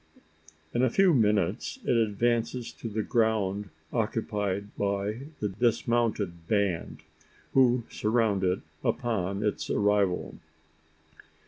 In a few minutes, it advances to the ground occupied by the dismounted band, who surround it upon its arrival.